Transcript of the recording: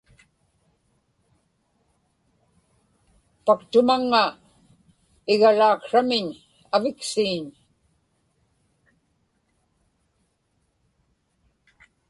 paktumaŋŋa igalaaksramiñ aviksiiñ